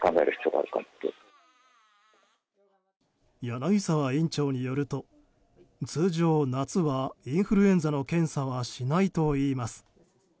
柳澤院長によると、通常夏はインフルエンザの検査はしないといいます。